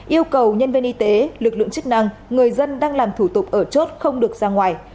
yêu cầu nhân viên y tế lực lượng chức năng người dân đang làm thủ tục ở chốt không được ra ngoài